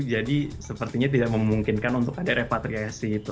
jadi sepertinya tidak memungkinkan untuk ada repatriasi itu